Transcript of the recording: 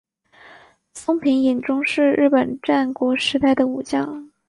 松平伊忠是日本战国时代的武将。